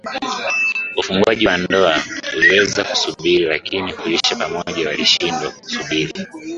Ufungwaji wa ndoa uliweza kusubiri lakini kuishi pamoja kulishindwa kusubiri